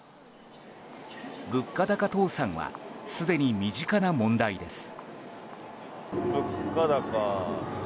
物価高倒産はすでに身近な問題です。